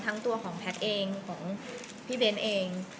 ทั้งตัวของแพ็คเองของพี่เบ้นเอง